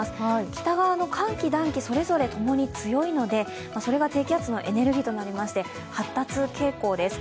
北側の寒気、暖気、それぞれともに強いのでそれが低気圧のエネルギーとなりまして、発達傾向です。